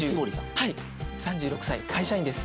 はい３６歳会社員です